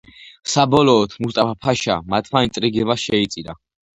საბოლოოდ, მუსტაფა ფაშა მათმა ინტრიგებმა შეიწირა.